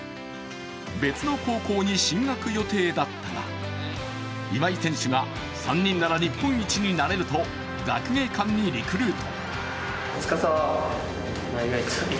別の高校に進学予定だったが今井選手が３人なら日本一になれると学芸館にリクルート。